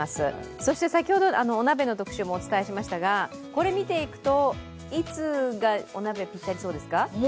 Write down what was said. そして先ほど、お鍋の特集もお伝えしましたがいつがお鍋、ぴったりそうですか？